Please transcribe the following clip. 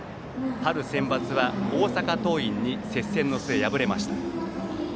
春センバツは大阪桐蔭に接戦の末、敗れました。